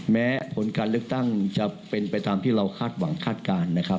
แม้ผลการเลือกตั้งจะเป็นไปตามที่เราคาดหวังคาดการณ์นะครับ